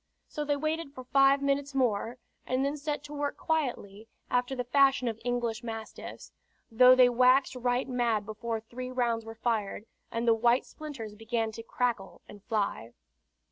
So they waited for five minutes more, and then set to work quietly, after the fashion of English mastiffs, though they waxed right mad before three rounds were fired, and the white splinters began to crackle and fly.